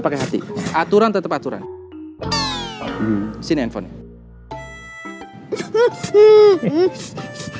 pakai hati aturan tetap aturan sini handphonenya